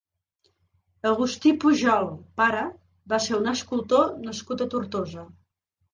Agustí Pujol (pare) va ser un escultor nascut a Tortosa.